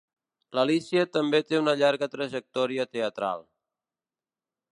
L'Alícia també té una llarga trajectòria teatral.